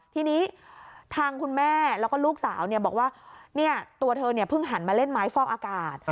ทีนี้ทางคุณแม่แล้วก็ลูกสาวบอกว่าตัวเธอเพิ่งหันมาเล่นไม้ฟอกอากาศ